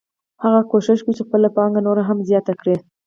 هغه کوښښ کوي چې خپله پانګه نوره هم زیاته کړي